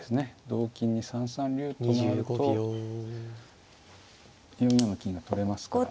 同金に３三竜と回ると４四の金が取れますから。